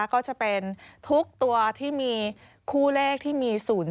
ก็จะเป็นทุกตัวที่มีคู่เลขที่มี๐๔